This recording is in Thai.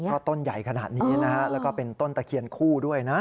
เพราะต้นใหญ่ขนาดนี้นะฮะแล้วก็เป็นต้นตะเคียนคู่ด้วยนะ